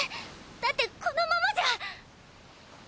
だってこのままじゃ。